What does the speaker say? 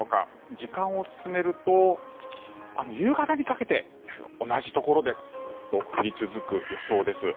時間を進めると夕方にかけて同じところでずっと降り続く予想です。